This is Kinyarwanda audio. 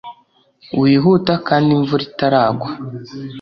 Wihuta kandi imvura itara gwa